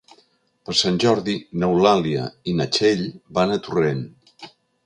Per Sant Jordi n'Eulàlia i na Txell van a Torrent.